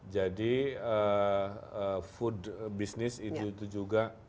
jadi food business itu juga